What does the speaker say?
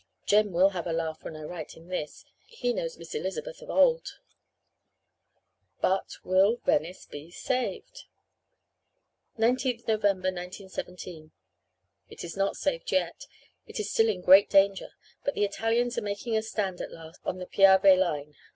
"Jem will have a laugh when I write him this. He knows Miss Elizabeth of old. "But will Venice be saved?" 19th November 1917 "It is not saved yet it is still in great danger. But the Italians are making a stand at last on the Piave line.